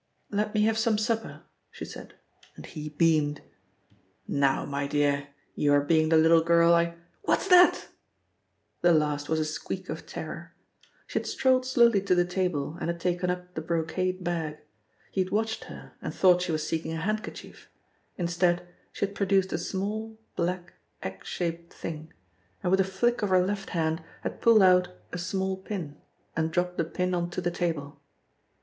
"Let me have some supper," she said, and he beamed. "Now, my dear, you are being the little girl I what's that?" The last was a squeak of terror. She had strolled slowly to the table and had taken up the brocade bag. He had watched her and thought she was seeking a handkerchief. Instead she had produced a small, black, egg shaped thing, and with a flick of her left hand had pulled out a small pin and dropped the pin on to the table.